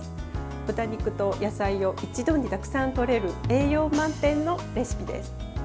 豚肉と野菜を一度にたくさんとれる栄養満点のレシピです。